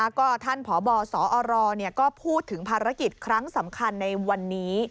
ก็ท่านพบสอรก็พูดถึงภารกิจครั้งสำคัญในวันนี้